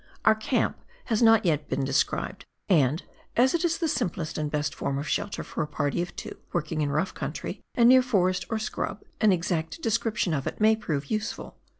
Our camp has not yet been described, and as it is the simplest and best form of shelter for a party of two, work ing in rough country and near forest or " scrub," an exact description of it may prove useful.